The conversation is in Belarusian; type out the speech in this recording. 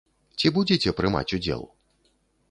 Ці будзеце прымаць удзел?